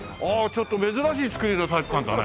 ちょっと珍しい造りの体育館だね。